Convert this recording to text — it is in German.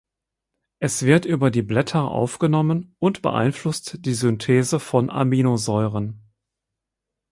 Es wird über die Blätter aufgenommen und beeinflusst die Synthese von Aminosäuren.